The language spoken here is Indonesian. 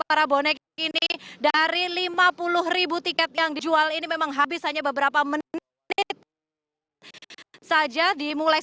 para bonek ini dari lima puluh ribu tiket yang dijual ini memang habis hanya beberapa menit saja dimulai